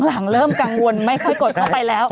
หลังเริ่มกังวลไม่ค่อยกดเข้าไปแล้ว